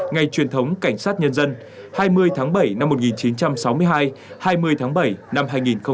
ngày truyền thống cảnh sát nhân dân hai mươi tháng bảy năm một nghìn chín trăm sáu mươi hai hai mươi tháng bảy năm hai nghìn hai mươi